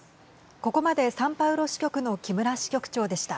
ここまで、サンパウロ支局の木村支局長でした。